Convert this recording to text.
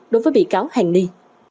đối với bị cáo hạn đi